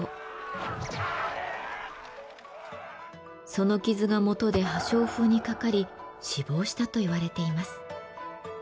その傷がもとで破傷風にかかり死亡したといわれています。